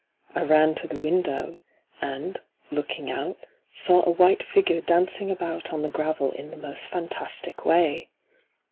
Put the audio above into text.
I ran to the window, and, looking out, saw a white figure dancing about on the gravel in the most fantastic way.